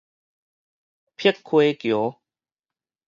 碧溪橋